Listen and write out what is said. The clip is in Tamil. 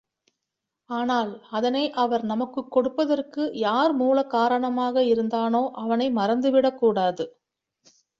ஆனால் அதனை அவர் நமக்குக் கொடுப்பதற்கு யார் மூல காரணமாக இருந்தானோ அவனை மறந்துவிடக்கூடாது.